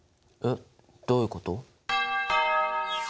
えっどういうこと？